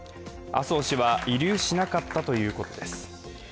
麻生氏は慰留しなかったということです。